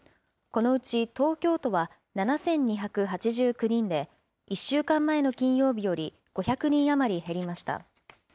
このうち、東京都は７２８９人で１週間前の金曜日より５００人余り減りました。